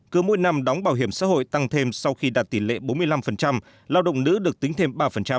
cứ mỗi năm đóng bảo hiểm xã hội tăng thêm sau khi đạt tỷ lệ bốn mươi năm lao động nữ được tính thêm ba